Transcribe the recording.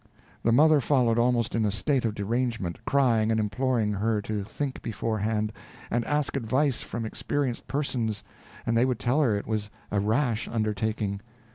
The mother followed almost in a state of derangement, crying and imploring her to think beforehand, and ask advice from experienced persons, and they would tell her it was a rash undertaking.